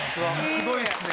すごいですね。